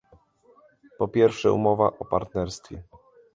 Po pierwsze, umowa o partnerstwie